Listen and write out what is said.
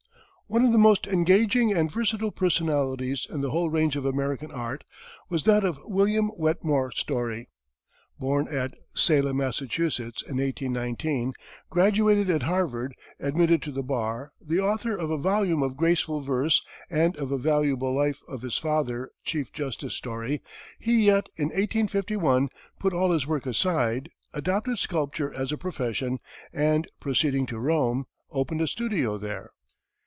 One of the most engaging and versatile personalities in the whole range of American art was that of William Wetmore Story. Born at Salem, Massachusetts, in 1819, graduated at Harvard, admitted to the bar, the author of a volume of graceful verse and of a valuable life of his father, Chief Justice Story, he yet, in 1851, put all this work aside, adopted sculpture as a profession, and, proceeding to Rome, opened a studio there.